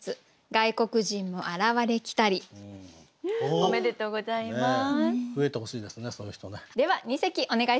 おめでとうございます。